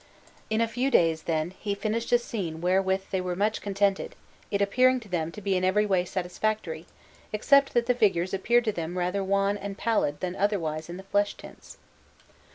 In a few days, then, he finished a scene wherewith they were much contented, it appearing to them to be in every way satisfactory, except that the figures appeared to them rather wan and pallid than otherwise in the flesh tints.